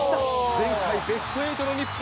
前回、ベスト８の日本。